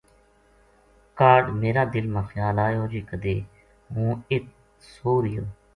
کاہڈ میرا دل ما خیال آیو جے کدے ہوں اِت سو رہیو